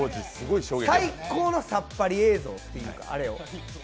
最高のサッパリ映像っていうかあれを。